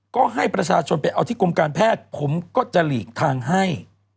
ก็ให้ประชาชนไปเอาที่กรมการแพทย์ผมก็จะหลีกทางให้